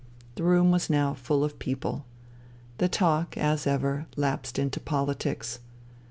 The room was now full of people. The talk, as ever, lapsed into politics.